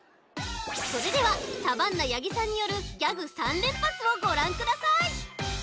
それではサバンナ八木さんによるギャグ３連発をごらんください！